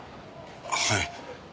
はい。